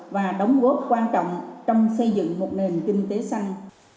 và đóng góp quan trọng trong xây dựng một nền kinh tế xanh